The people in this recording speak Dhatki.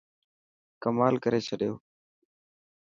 ڪمال ڪاري ڇڏيو.